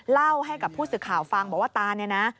เล่าให้กับผู้สื่อข่าวฟังบอกว่าตาเนี่ยนะ